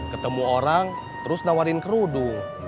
ketemu orang terus nawarin kerudung